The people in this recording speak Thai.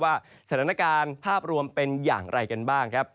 สถานการณ์ภาพรวมเป็นอย่างไรกันบ้างครับ